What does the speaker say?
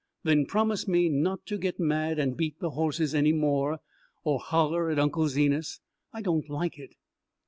"Then promise me not to get mad and beat the horses any more or holler at Unc' Zenas. I don't like it."